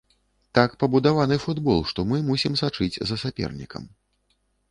Так пабудаваны футбол, што мы мусім сачыць за сапернікам.